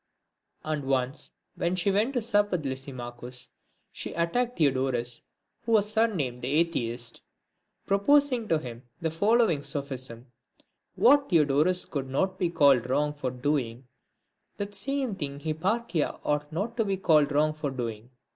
III. And once when she went to sup with Lysimachus, she attacked Theodorus, who was surnamed the Atheist ; propos ing to him the following sophism; "What Theodorus could not be called wrong for doing, that same thing Hipparchia ought not to be called wrong for doing.